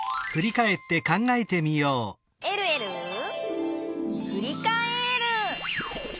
「えるえるふりかえる」